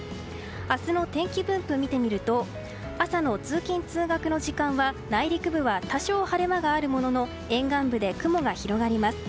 明日の天気分布を見てみると朝の通勤・通学の時間は内陸部は多少晴れ間があるものの沿岸部で雲が広がります。